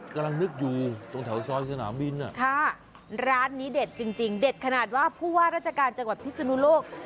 กำลังนึกอยู่ตรงแถวซอยสนามบินร้านนี้เด็ดจริงเด็ดขนาดว่าผู้ว่าราชการจังหวัดพิศนุโลก